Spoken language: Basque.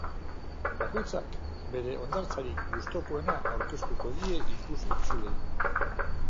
Bakoitzak, bere hondartzarik gustukoena aurkeztuko die ikus-entzuleei.